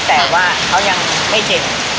แต่ว่าเขายังไม่เจ็บ